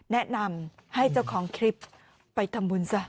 แนะนำให้เจ้าของคลิปไปทำบุญซะ